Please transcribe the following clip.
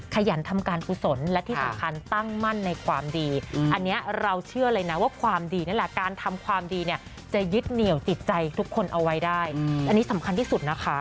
ขยันทำการกุศลและที่สำคัญตั้งมั่นในความดีอันนี้เราเชื่อเลยนะว่าความดีนั่นแหละการทำความดีเนี่ยจะยึดเหนี่ยวจิตใจทุกคนเอาไว้ได้อันนี้สำคัญที่สุดนะคะ